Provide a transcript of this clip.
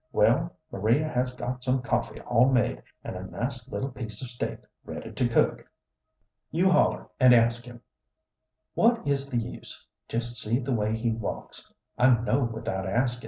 Well, Maria has got some coffee all made, and a nice little piece of steak ready to cook." "You holler and ask him." "What is the use? Just see the way he walks; I know without askin'."